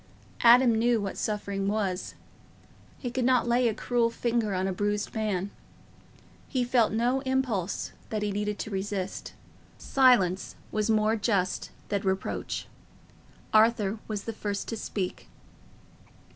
Adam knew what suffering was—he could not lay a cruel finger on a bruised man. He felt no impulse that he needed to resist. Silence was more just than reproach. Arthur was the first to speak.